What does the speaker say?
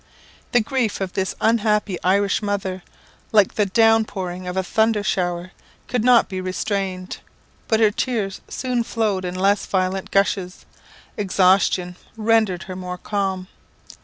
The grief of this unhappy Irish mother, like the down pouring of a thunder shower, could not be restrained. But her tears soon flowed in less violent gushes exhaustion rendered her more calm.